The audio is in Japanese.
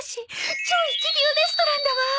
超一流レストランだわ！